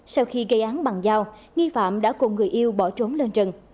sau khi gây án bằng dao nghi phạm đã cùng người yêu bỏ trốn lên rừng